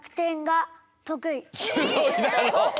すごいだろ。